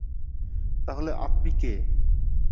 তাহলে আপনি কে?